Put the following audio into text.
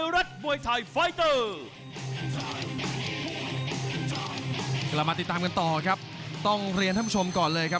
กลับมาติดตามกันต่อครับต้องเรียนท่านผู้ชมก่อนเลยครับ